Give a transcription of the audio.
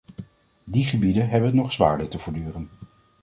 Die gebieden hebben het nog zwaarder te verduren.